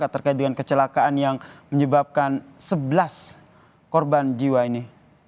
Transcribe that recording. terkait dengan kecelakaan yang menyebabkan sebelas korban jiwa ini